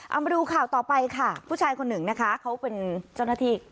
เอามาดูข่าวต่อไปค่ะผู้ชายคนหนึ่งนะคะเขาเป็นเจ้าหน้าที่